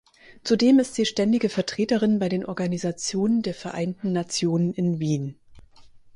Zudem ist sie Ständige Vertreterin bei den Organisationen der Vereinten Nationen in Wien.